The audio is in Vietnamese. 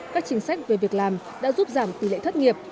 các chính sách về việc làm đã giúp giảm tỷ lệ thất nghiệp